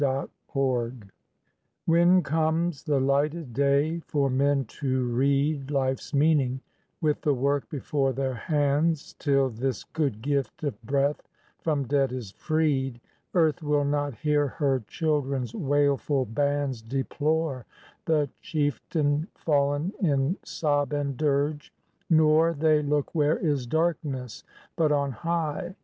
HAWARDEN WHEN comes the lighted day for men to read Life's meaning, with the work before their hands Till this good gift of breath from debt is freed, Earth will not hear her children's wailful bands Deplore the chieftain fall'n in sob and dirge; Nor they look where is darkness, but on high.